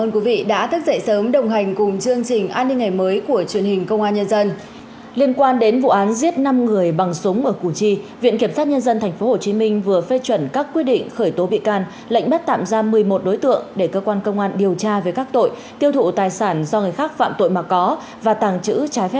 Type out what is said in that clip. các bạn hãy đăng ký kênh để ủng hộ kênh của chúng mình nhé